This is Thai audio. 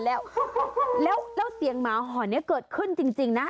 แล้วแล้วแล้วเสียงหมาห่อนเนี้ยเกิดขึ้นจริงจริงนะ